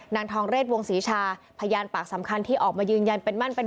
นางทองเลชท์วงศิชาภยาลปากสำคัญที่ออกมายืนยันเป็นหมอน